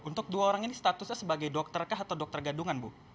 untuk dua orang ini statusnya sebagai dokter kah atau dokter gadungan bu